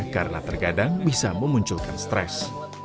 karena terkadang bisa memunculkan stres